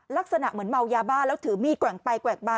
ลักษณะเหมือนเมายาบ้าแล้วถือมีดแกว่งไปแกว่งมา